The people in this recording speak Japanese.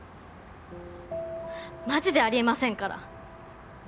マジであり得ませんから。